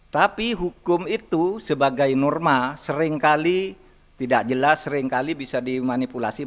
tapi hukum itu sebagai norma seringkali tidak jelas seringkali bisa dimanipulasi